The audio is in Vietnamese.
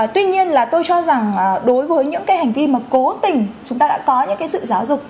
tuy nhiên là tôi cho rằng đối với những cái hành vi mà cố tình chúng ta đã có những cái sự giáo dục